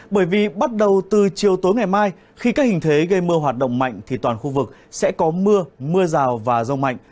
bởi vì bắt đầu từ chiều tối ngày mai khi các hình thế gây mưa hoạt động mạnh thì toàn khu vực sẽ có mưa mưa rào và rông mạnh